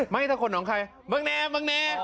ไม่แต่คนหนองใคร